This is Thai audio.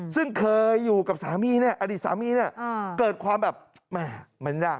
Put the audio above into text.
ซึ่งเคยอยู่กับสามีเนี่ยอดีตสามีเนี่ยเกิดความแบบแม่ไม่ได้